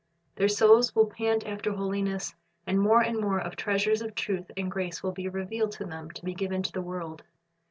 Their souls will pant after holiness, and more and more of the treasures of truth and grace will be revealed to them to be given to the world.